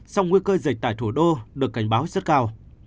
song nguy cơ dịch tại thủ đô được cảnh báo rất cao